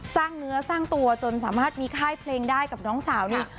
สร้างเนื้อสร้างตัวจนสามารถมีค่ายเพลงได้กับน้องสาวนี่